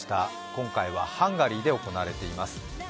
今回はハンガリーで行われています。